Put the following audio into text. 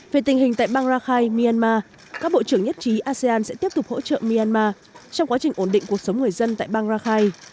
về tình hình tại bangrakhai myanmar các bộ trưởng nhất trí asean sẽ tiếp tục hỗ trợ myanmar trong quá trình ổn định cuộc sống người dân tại bangrakhai